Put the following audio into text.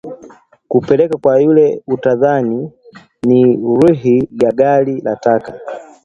Kupeleka kwa yule utadhani ni rihi ya gari la taka